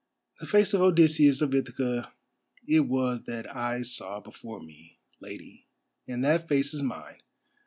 "The face of Odysseus of Ithaca it was that I saw before me, Lady, and that face is mine.